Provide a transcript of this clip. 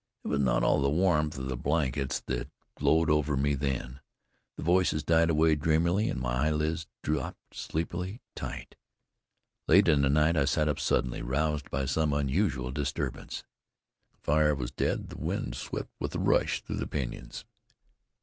It was not all the warmth of the blankets that glowed over me then. The voices died away dreamily, and my eyelids dropped sleepily tight. Late in the night I sat up suddenly, roused by some unusual disturbance. The fire was dead; the wind swept with a rush through the pinyons.